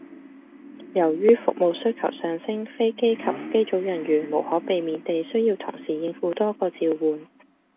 由於服務需求上升，飛機及機組人員無可避免地需要同時應付多個召喚